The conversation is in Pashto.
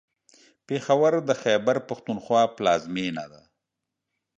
پېښور د خیبر پښتونخوا پلازمېنه ده.